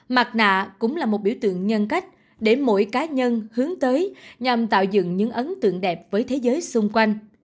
mặt nạ cũng là một biểu tượng nhân cách để mỗi cá nhân hướng tới nhằm tạo dựng những ấn tượng đẹp với thế giới xung quanh